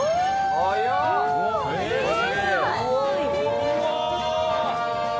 うわ！